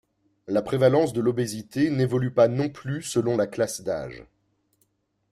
La prévalence de l'obésité n'évolue pas non plus selon la classe d'age.